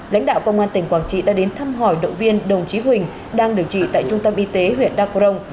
lãnh đạo công an tỉnh quảng trị đã đến thăm hỏi đội viên đồng chí huỳnh đang được trị tại trung tâm y tế huyện đa cổ rồng